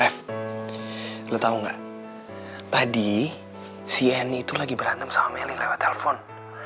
rev lo tau gak tadi si annie itu lagi berantem sama meli lewat telepon